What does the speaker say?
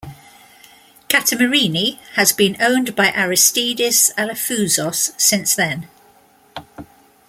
"Kathimerini" has been owned by Aristidis Alafouzos since then.